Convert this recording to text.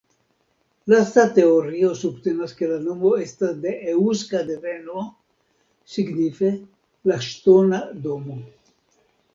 Lasta teorio subtenas ke la nomo estas de eŭska deveno, signife "la ŝtona domo".